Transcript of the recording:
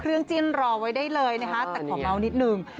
เครื่องจิ้นรอไว้ได้เลยนะคะแต่ขอเมาส์นิดหนึ่ง